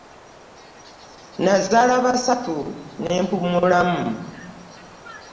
Nazaala basatu ne mpummulamu.